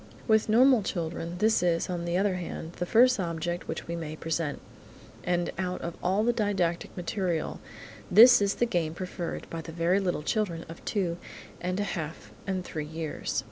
With normal children, this is, on the other hand, the first object which we may present, and out of all the didactic material this is the game preferred by the very little children of two and a half and three years.